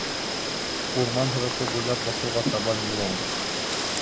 Урман һыҙаты буйлап баҫыуға табан юл алдыҡ.